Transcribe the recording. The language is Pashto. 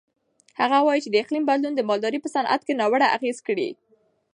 هغه وایي چې د اقلیم بدلون د مالدارۍ په صنعت ناوړه اغېز کړی.